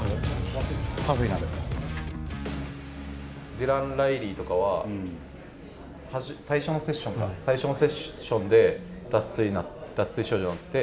ディラン・ライリーとかは最初のセッションで脱水症状になって。